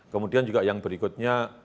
kemudian juga yang berikutnya